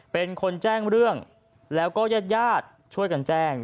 เป็นคนแจ้งเรื่องแล้วก็ญาติญาติช่วยกันแจ้ง